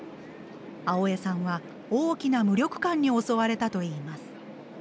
青江さんは大きな無力感に襲われたといいます。